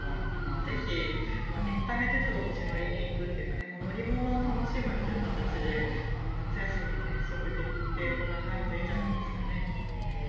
ぜひエンタメ鉄道として乗りに行くというか乗り物を楽しむという形で夏休みの遠足で行ってご覧になるといいんじゃないですかね。